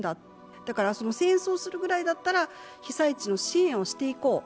だから戦争するぐらいだったら被災地の支援をしていこう。